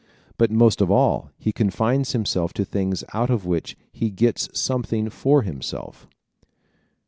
But most of all he confines himself to things out of which he gets something for himself.